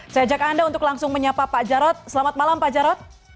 saya ajak anda untuk langsung menyapa pak jarod selamat malam pak jarod